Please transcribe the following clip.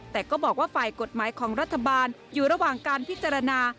แต่ก็บอกว่าฝ่ายกฎหมายของรัฐบาลอยู่ระหว่างการพิจารณา